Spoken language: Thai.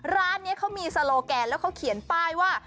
ร้านนี้เขามีโซโลแกนแล้วเขาเขียนป้ายว่า